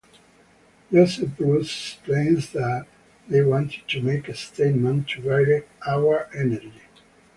Joseph Bruce explains that they wanted to make a statement, to direct our energy.